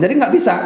jadi gak bisa